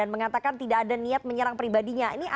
maka kan ada penyebutan